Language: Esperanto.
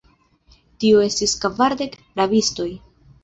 Tio estis kvardek rabistoj.